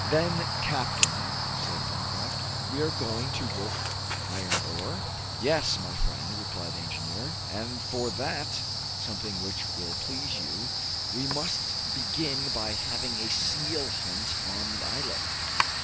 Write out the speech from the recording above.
"Then, captain," said Pencroft, "we are going to work iron ore?" "Yes, my friend," replied the engineer, "and for that something which will please you we must begin by having a seal hunt on the islet."